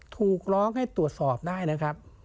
ถูกร้องให้ตรวจสอบได้นะครับ